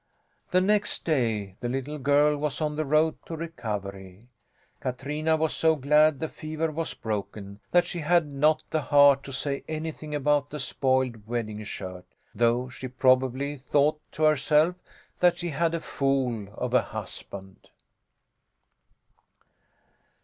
The next day the little girl was on the road to recovery. Katrina was so glad the fever was broken that she had not the heart to say anything about the spoiled wedding shirt, though she probably thought to herself that she had a fool of a husband.